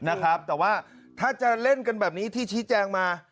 นะครับแต่ว่าถ้าจะเล่นกันแบบนี้ที่ชี้แจงมา